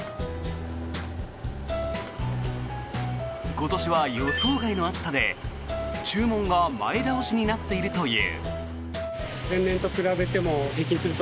今年は予想外の暑さで、注文が前倒しになっているという。